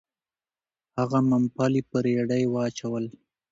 هغه ممپلي په رېړۍ واچول. .